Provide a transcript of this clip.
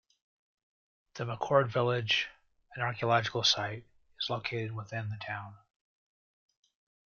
The McCord Village, an archaeological site, is located within the town.